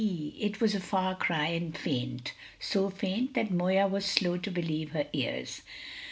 It was a far cry and faint, so faint that Moya was slow to believe her ears.